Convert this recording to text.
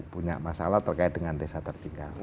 punya masalah terkait dengan desa tertinggal